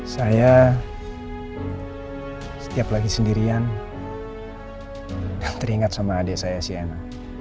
saya setiap lagi sendirian teringat sama adik saya siana